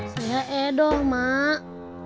saya edoh mak